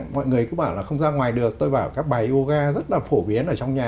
mọi người cứ bảo là không ra ngoài được tôi bảo các bài yoga rất là phổ biến ở trong nhà